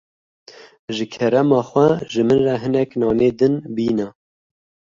Ji kerema we, ji min re hinek nanê din bîne.